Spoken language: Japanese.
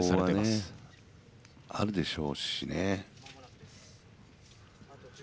競合は、あるでしょうしね。